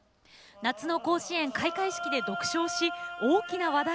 夏の甲子園開会式で独唱し大きな話題となりました。